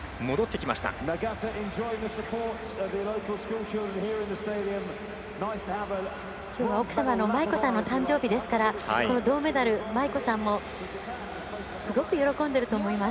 きょうは奥様の麻衣子さんの誕生日ですから、この銅メダル麻衣子さんもすごく喜んでいると思います。